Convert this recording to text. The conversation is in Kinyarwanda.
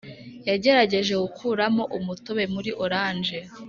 yagerageje gukuramo umutobe muri orange.